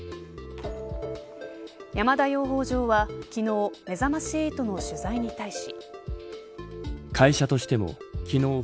山田養蜂場は、昨日めざまし８の取材に対し。